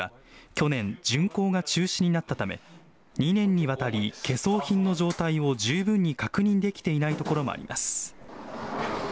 ３４ある保存会の中には、去年、巡行が中止になったため、２年にわたり、懸装品の状態を十分に確認できていないところもあります。